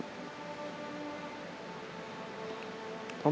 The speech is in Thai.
ผมสู้ตลอดครับ